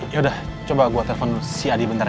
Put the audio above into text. yaudah coba gue telepon dulu si adi bentar ya